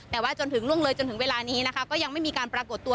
แต่ว่าจนถึงล่วงเลยจนถึงเวลานี้นะคะก็ยังไม่มีการปรากฏตัว